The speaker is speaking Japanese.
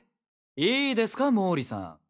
いいですか毛利さん。